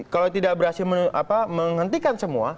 kalau tidak berhasil menghentikan semua